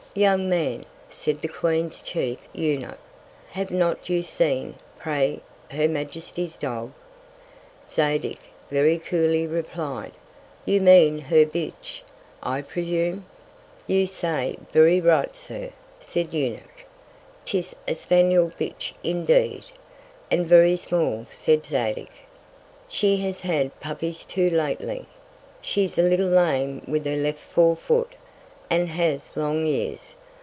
Young Man, said the Queen's chief Eunuch, have not you seen, pray, her Majesty's Dog? Zadig very cooly replied, you mean her Bitch, I presume. You say very right Sir, said the Eunuch, 'tis a Spaniel Bitch indeed. And very small said Zadig: She has had Puppies too lately; she's a little lame with her left Fore foot, and has long Ears.